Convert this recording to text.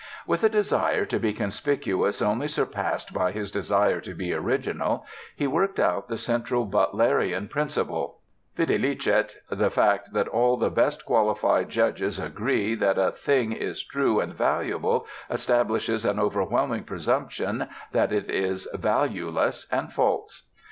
With a desire to be conspicuous only surpassed by his desire to be original he worked out the central Butlerian principle; videlicet: The fact that all the best qualified judges agree that a thing is true and valuable establishes an overwhelming presumption that it is valueless and false.